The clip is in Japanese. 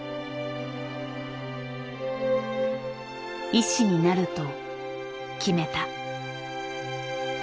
医師になると決めた。